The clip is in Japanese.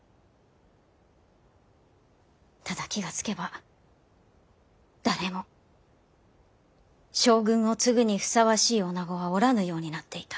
ただ気が付けば誰も将軍を継ぐにふさわしい女子はおらぬようになっていた。